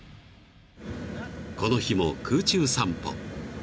［この日も空中散歩］